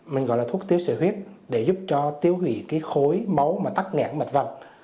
mình gọi là thuốc tiếu sữa huyết để giúp cho tiêu hủy cái khối máu mà tắc mặt văn